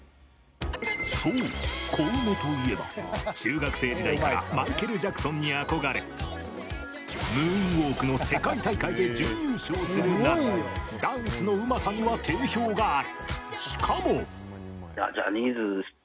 そう、コウメといえば中学生時代からマイケル・ジャクソンに憧れムーンウォークの世界大会で準優勝するなどダンスのうまさには定評がある。